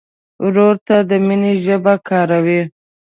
ورور ته د مینې ژبه کاروې.